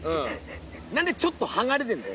何でちょっと剥がれてんだよ。